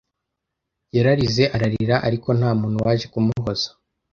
Yararize ararira, ariko nta muntu waje kumuhoza.